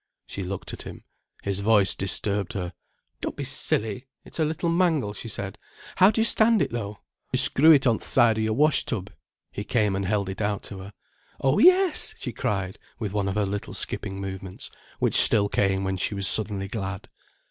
She looked at him. His voice disturbed her. "Don't be silly. It's a little mangle," she said. "How do you stand it, though?" "You screw it on th' side o' your wash tub." He came and held it out to her. "Oh, yes!" she cried, with one of her little skipping movements, which still came when she was suddenly glad.